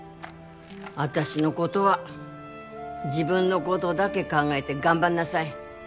私のことは自分のことだけ考えて頑張んなさい